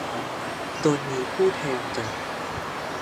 โดยมีผู้แทนจาก